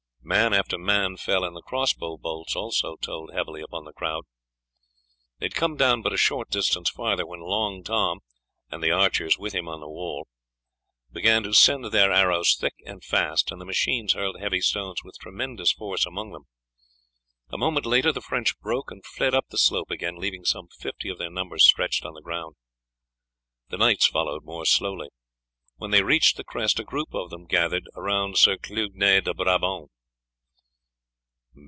Man after man fell, and the cross bow bolts also told heavily upon the crowd. They had come down but a short distance farther when Long Tom, and the archers with him on the wall, began to send their arrows thick and fast, and the machines hurled heavy stones with tremendous force among them. A moment later the French broke and fled up the slope again, leaving some fifty of their number stretched on the ground. The knights followed more slowly. When they reached the crest a group of them gathered around Sir Clugnet de Brabant.